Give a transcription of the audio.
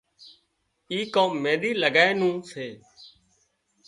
اي ڪام مينۮي لڳايا نُون سي